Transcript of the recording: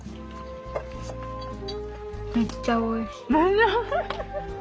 ・めっちゃおいしい。